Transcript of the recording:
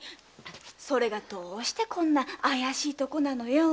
それがどうしてこんな怪しいとこなのよ？